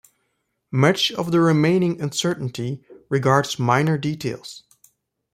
Much of the remaining uncertainty regards minor details.